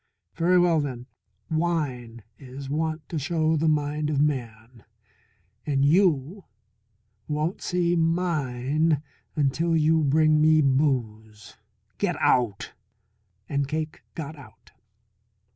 Very well, then, wine is wont to show the mind of man, and you won't see mine until you bring me booze. Get out!" And Cake got out.